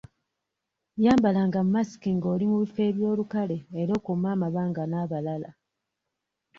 Yambalanga masiki ng'oli mu bifo eby'olukale era okuume amabanga n'abalala.